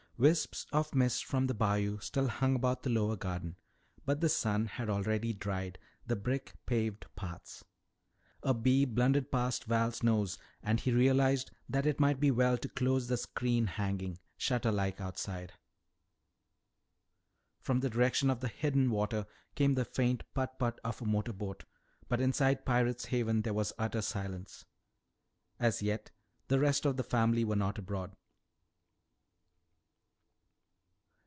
Wisps of mist from the bayou still hung about the lower garden, but the sun had already dried the brick paved paths. A bee blundered past Val's nose, and he realized that it might be well to close the screen hanging shutter like outside. From the direction of the hidden water came the faint putt putt of a motor boat, but inside Pirate's Haven there was utter silence. As yet the rest of the family were not abroad.